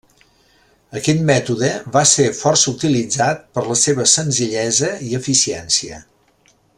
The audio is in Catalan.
Aquest mètode va ser força utilitzat per la seva senzillesa i eficiència.